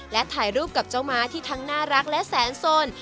และถ่ายรูปกับเจ้าม้าที่ทั้งน่ารักและแสนสน